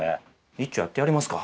いっちょやってやりますか。